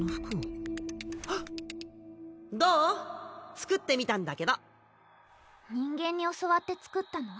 作ってみたんだけど人間に教わって作ったの？